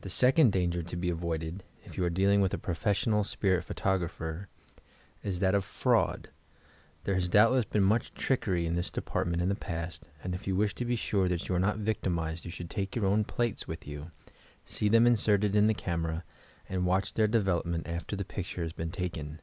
The second danger to be avoided (if you are deal ing with a professional spirit photographer) is that of fraud. There has doubtless been much trickery in this department in the past, and if you wish to be sure that you are not victimized you should take your own plates with you, see them inserted in the camera and watch their development after the picture has been taken.